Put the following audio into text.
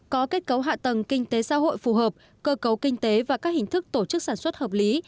có kết cấu hạ tầng kinh tế xã hội phù hợp cơ cấu kinh tế và các hình thức tổ chức sản xuất hợp lý